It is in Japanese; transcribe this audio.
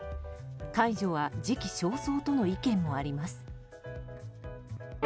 解除は時期尚早との意見もあります。